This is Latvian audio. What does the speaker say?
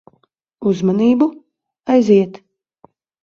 Uzmanību. Aiziet.